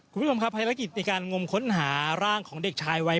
คุณผู้ชมครับภารกิจในการงมค้นหาร่างของเด็กชายวัย